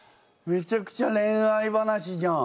めちゃくちゃ恋愛話じゃん。